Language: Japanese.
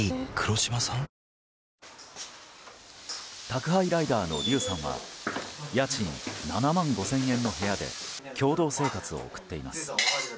宅配ライダーのリュウさんは家賃７万５０００円の部屋で共同生活を送っています。